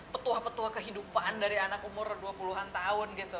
petua petua kehidupan dari anak umur dua puluh an tahun gitu